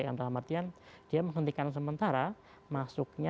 yang dalam artian dia menghentikan sementara masuknya